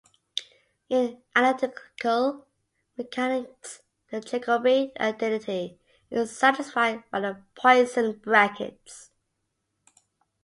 In analytical mechanics, the Jacobi identity is satisfied by the Poisson brackets.